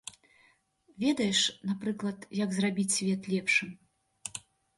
Ведаеш, напрыклад, як зрабіць свет лепшым?